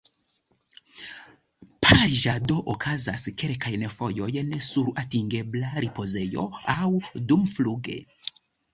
Pariĝado okazas kelkajn fojojn sur atingebla ripozejo aŭ dumfluge.